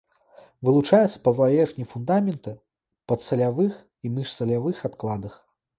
Вылучаецца па паверхні фундамента, падсалявых і міжсалявых адкладах.